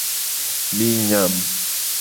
Mi nyam.